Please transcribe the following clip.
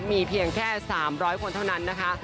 มีเพียงแค่๓๐๐คนเท่านั้นนะคะ